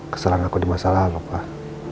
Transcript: kesalahan aku di masa lalu pak